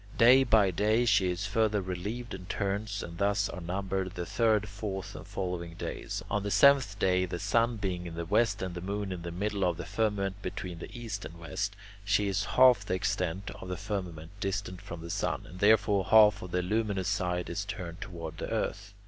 Day by day she is further relieved and turns, and thus are numbered the third, fourth, and following days. On the seventh day, the sun being in the west and the moon in the middle of the firmament between the east and west, she is half the extent of the firmament distant from the sun, and therefore half of the luminous side is turned toward the earth.